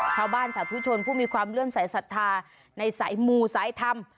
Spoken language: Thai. ชาวบ้านสาธุชนผู้มีความเรื่องใส่ศรัทธาในสายหมู่สายธรรม